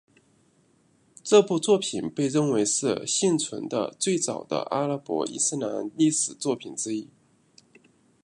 这部作品被认为是幸存的最早的阿拉伯伊斯兰历史作品之一。